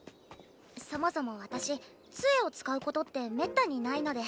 そもそも私杖を使うことってめったにないので。